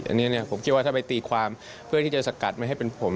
อันนี้ผมคิดว่าถ้าไปตีความเพื่อที่จะสกัดไม่ให้เป็นผม